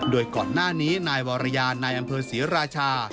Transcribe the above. โดยก่อนหน้านี้นายวรยานายอำเภอศรีราชา